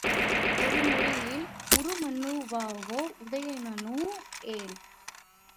ஒரு நொடியில் உருமண்ணுவாவோ உதயணனோ ஏன்?